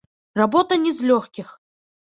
Работа не з лёгкіх.